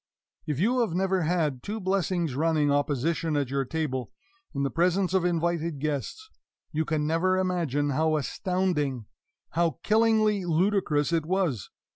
If you have never had two blessings running opposition at your table, in the presence of invited guests, you can never imagine how astounding, how killingly ludicrous it was!